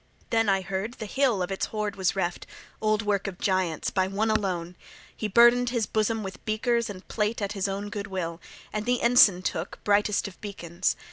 Then, I heard, the hill of its hoard was reft, old work of giants, by one alone; he burdened his bosom with beakers and plate at his own good will, and the ensign took, brightest of beacons.